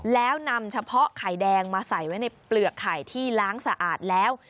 แล้วนำเฉพาะไข่แดงมาใส่ไว้ในเปลือกไข่ที่ล้างสะอาดแล้ว